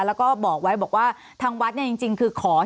แล้วก็บอกไว้บอกว่าทางวัดเนี่ยจริงคือขอ